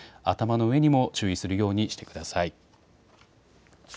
頭の上にも注意するようにしてください。